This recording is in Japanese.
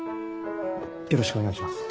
よろしくお願いします。